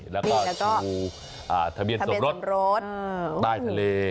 แล้วก็ดูทะเบียนสมรสใต้ทะเล